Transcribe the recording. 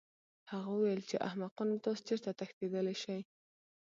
هغه وویل چې احمقانو تاسو چېرته تښتېدلی شئ